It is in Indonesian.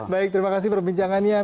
baik terima kasih perbincangannya